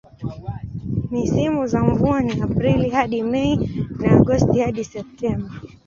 Misimu za mvua ni Aprili hadi Mei na Agosti hadi Septemba.